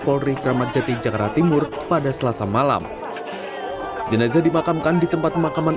polri kramat jati jakarta timur pada selasa malam jenazah dimakamkan di tempat pemakaman